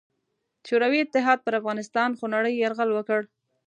شوروي اتحاد پر افغانستان خونړې یرغل وکړ.